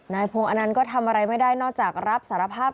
นายภูมิอันนั้นก็ทำอะไรไม่ได้นอกจากรับสารภาพ